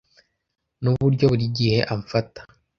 Nuburyo buri gihe amfata